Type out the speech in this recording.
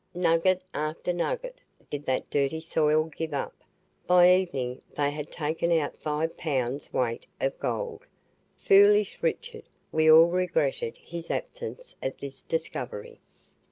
Nugget after nugget did that dirty soil give up; by evening they had taken out five pounds weight of gold. Foolish Richard! we all regretted his absence at this discovery.